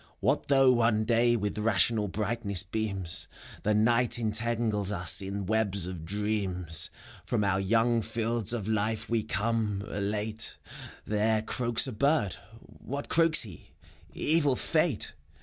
What though One Day with rational brightness beams, The Night entangles us in webs of dreams. From our young fields of life we come, elate : There croaks a bird : what croaks he ? Evil fate